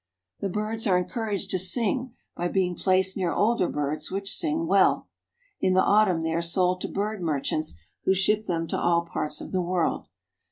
The birds are encouraged to sing by being placed near older birds which sing well. In the autumn, they are sold to bird merchants who ship them to all parts of the world.